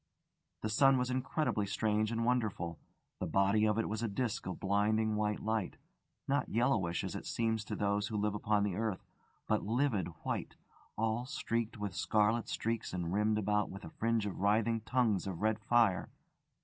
The sun was incredibly strange and wonderful. The body of it was a disc of blinding white light: not yellowish, as it seems to those who live upon the earth, but livid white, all streaked with scarlet streaks and rimmed about with a fringe of writhing tongues of red fire.